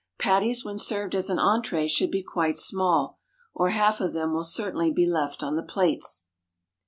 Patties when served as an entrée should be quite small, or half of them will certainly be left on the plates.